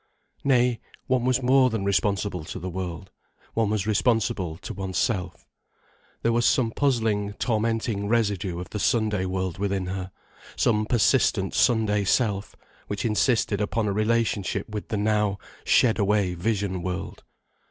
Nay, one was more than responsible to the world. One was responsible to oneself. There was some puzzling, tormenting residue of the Sunday world within her, some persistent Sunday self, which insisted upon a relationship with the now shed away vision world.